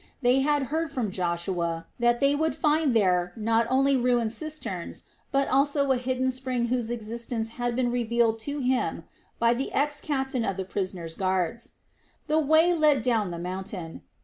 They had heard from Joshua that they would find there not only ruined cisterns, but also a hidden spring whose existence had been revealed to him by the ex captain of the prisoners' guards. The way led down the mountain.